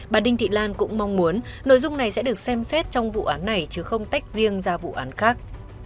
bà đinh thị lan cũng mong muốn nội dung này sẽ được xem xét trong vụ án này chứ không tách riêng ra vụ án khác